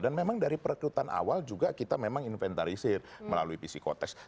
dan memang dari perkembangan awal juga kita memang inventarisir melalui psikotest